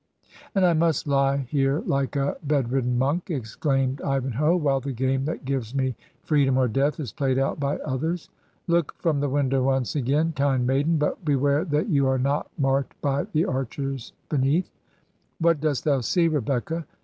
'"And I must lie here like a bedridden monk,' ex claimed Ivanhoe, 'while the game that gives me free dom or death is played out by others! Look from the window once again, kind maiden, but beware that you are not marked by the archers beneath. ... What dost thou see, Rebecca?'